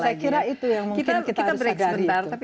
saya kira itu yang mungkin kita harus sadari